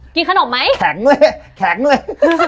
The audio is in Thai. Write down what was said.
กินขนมมั้ยแข็งเลย